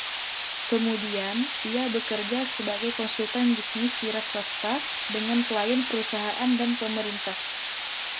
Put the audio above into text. Kemudian, ia bekerja sebagai konsultan bisnis wiraswasta dengan klien perusahaan dan pemerintah.